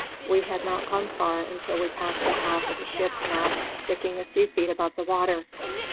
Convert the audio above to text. We had not gone far until we passed the top of a ship's mast sticking a few feet above the water.